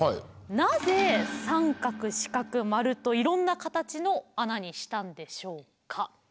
なぜ三角四角丸といろんな形の穴にしたんでしょうか？